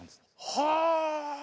はあ。